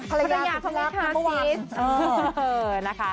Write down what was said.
ภรรยาสุภาพนี้ค่ะ